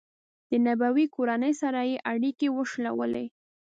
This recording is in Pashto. د نبوي کورنۍ سره یې اړیکې وشلولې.